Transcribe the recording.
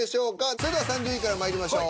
それでは３０位からまいりましょう。